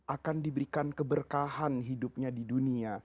akan diberikan keberkahan hidupnya di dunia